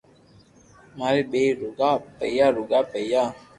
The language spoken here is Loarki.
ماري ٻئير روگا پيئا روگا ئيئا